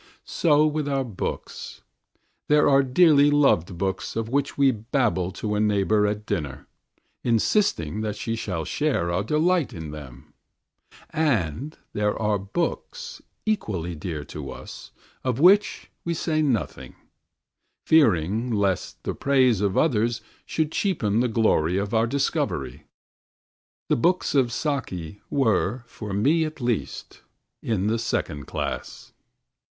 So with our books. There are dearly loved books of which we babble to a neighbour at dinner, insisting that she shall share our delight in them; and there are books, equally dear to us, of which we say nothing, fearing lest the praise of others should cheapen the glory of our discovery. The books of "Saki" were, for me at least, in the second class.